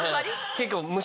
結構。